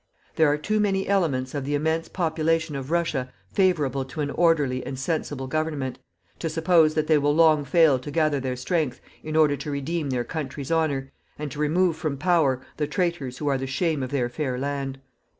There are too many elements of the immense population of Russia favourable to an orderly and sensible government, to suppose that they will long fail to gather their strength in order to redeem their country's honour, and to remove from power the traitors who are the shame of their fair land.